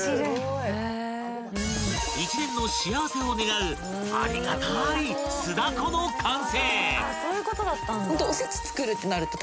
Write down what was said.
［一年の幸せを願うありがたーい酢蛸の完成］